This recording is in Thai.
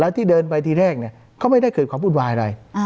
แล้วที่เดินไปที่แรกเนี้ยเขาไม่ได้เกิดความบุญวายอะไรอ่า